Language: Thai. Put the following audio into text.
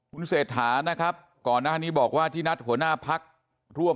คุณเศรษฐานะครับก่อนหน้านี้บอกว่าที่นัดหัวหน้าพักร่วม